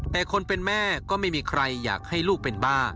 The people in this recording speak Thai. แต่คนเป็นแม่ก็ไม่มีใครอยากให้ลูกเป็นบ้า